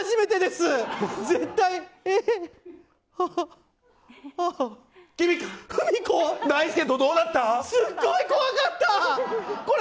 すっごい怖かった！